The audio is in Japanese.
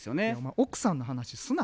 奥さんの話すな。